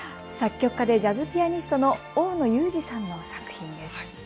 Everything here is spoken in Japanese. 作曲家でジャズピアニストの大野雄二さんの作品です。